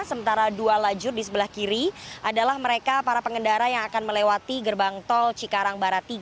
sementara dua lajur di sebelah kiri adalah mereka para pengendara yang akan melewati gerbang tol cikarang barat tiga